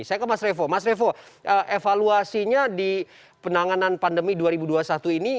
saya ke mas revo mas revo evaluasinya di penanganan pandemi dua ribu dua puluh satu ini